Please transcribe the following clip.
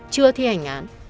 chưa thi hành án